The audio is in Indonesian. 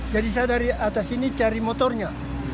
jadi saya dari atas sini cari motornya